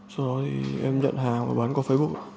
sau đó em nhận hàng và bán qua facebook